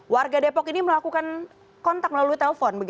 warga depok ini melakukan kontak melalui telepon